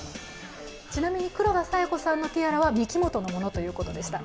ちなみに黒田清子さんのティアラはミキモトものということでした。